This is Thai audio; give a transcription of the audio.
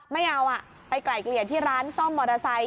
ไม่เอาไปไกล่เกลี่ยที่ร้านซ่อมมอเตอร์ไซค